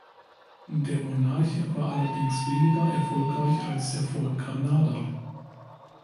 Der Monarch war allerdings weniger erfolgreich als der Ford Granada.